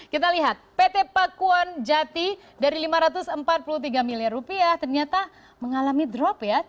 kita lihat pt pakuan jati dari rp lima ratus empat puluh tiga miliar rupiah ternyata mengalami drop ya